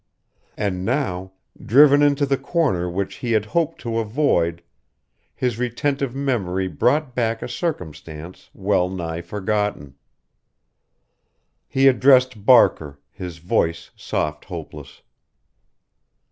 And now, driven into the corner which he had hoped to avoid, his retentive memory brought back a circumstance well nigh forgotten. He addressed Barker, his voice soft hopeless.